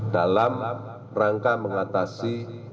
dalam rangka mengatasi